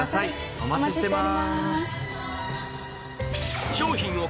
お待ちしています！